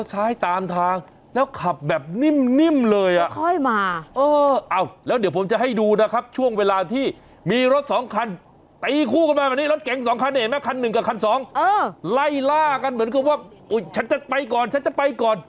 ไล่ลากันเหมือนกับว่าจัดไปก่อนเจจจัดไปก่อน